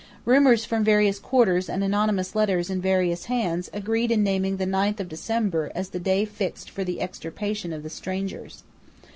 Rumours from various quarters and anonymous letters in various hands agreed in naming the ninth of December as the day fixed for the extirpation of the strangers.